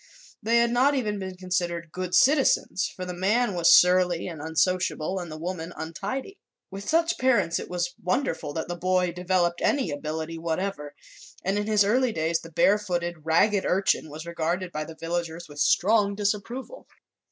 They had not even been considered "good citizens," for the man was surly and unsociable and the woman untidy. With such parents it was wonderful that the boy developed any ability whatever, and in his early days the barefooted, ragged urchin was regarded by the villagers with strong disapproval.